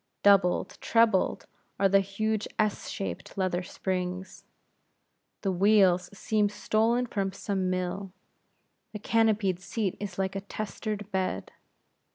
Doubled, trebled are the huge S shaped leather springs; the wheels seem stolen from some mill; the canopied seat is like a testered bed.